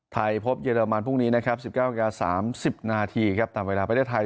ไทยพบเยอรมันพรุ่งนี้๑๙๓๐นาทีตามเวลาประเทศไทย